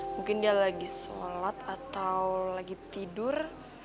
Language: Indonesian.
mungkin dia lagi sholat atau lagi tidur